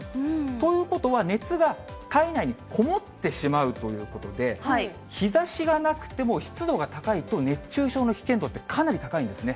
ということは、熱が体内にこもってしまうということで、日ざしがなくても、湿度が高いと、熱中症の危険度ってかなり高いんですね。